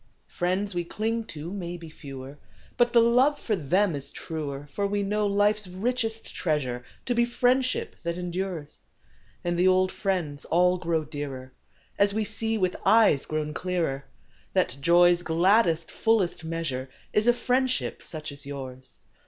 Is a F riends xv)e clinq to mau be fe^Oer, But the loOe jor them is truer; fbr \Oe know life s richest treasure To be friendship that em dures, And the old jriends all qroxO dearer & As vOe see \oith eues qro\On clearer That joq's gladdest, fullest measure ' Is a friendship such as Ljours.